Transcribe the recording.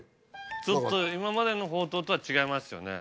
ちょっと今までのほうとうとは違いますよね。